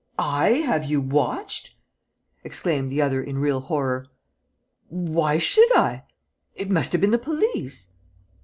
"I have you watched!" exclaimed the other in real horror. "Why should I? It must have been the police."